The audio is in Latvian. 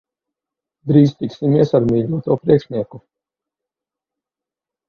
Drīz tiksimies ar mīļoto priekšnieku.